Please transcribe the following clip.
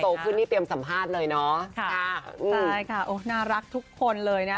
ขึ้นนี่เตรียมสัมภาษณ์เลยเนอะค่ะใช่ค่ะโอ้น่ารักทุกคนเลยนะ